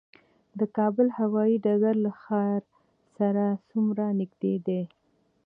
د کابل هوايي ډګر له ښار سره څومره نږدې دی؟